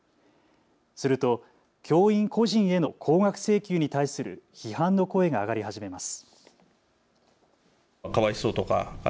すると教員個人への高額請求に対する批判の声が上がり始めます。